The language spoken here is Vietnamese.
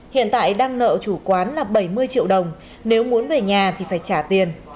hiện tại đang nợ chủ quán là bảy mươi triệu đồng nếu muốn về nhà thì phải trả tiền